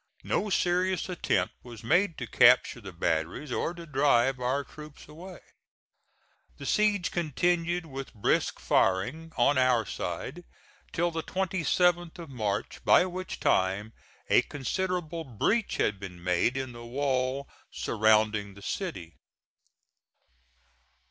No serious attempt was made to capture the batteries or to drive our troops away. The siege continued with brisk firing on our side till the 27th of March, by which time a considerable breach had been made in the wall surrounding the city.